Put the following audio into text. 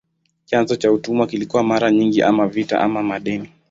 Chanzo cha utumwa kilikuwa mara nyingi ama vita ama madeni.